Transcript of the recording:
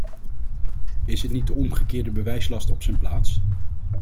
Is het niet de omgekeerde bewijslast op z'n plaats?